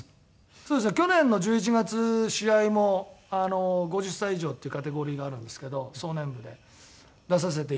そうですね去年の１１月試合も５０歳以上というカテゴリーがあるんですけど壮年部で出させていただいて。